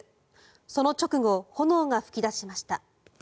その直後、炎が噴き出しました。